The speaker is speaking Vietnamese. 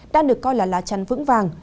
đang được coi là lá chăn vững vàng